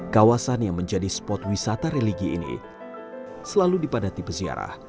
kawasan yang menjadi spot wisata religi ini selalu dipadati peziarah